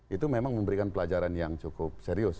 itu memang memberikan pelajaran yang cukup serius